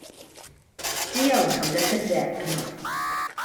Diolch am dy hyder ynof.